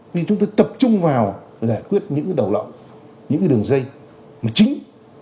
vì chúng ta tập trung vào giải quyết những cái đầu lậu những cái đường dây mà chính